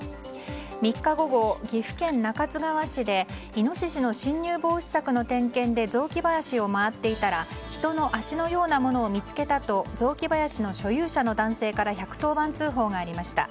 ３日午後、岐阜県中津川市でイノシシの侵入防止柵の点検で雑木林を回っていたら人の足のようなものを見つけたと雑木林の所有者の男性から１１０番通報がありました。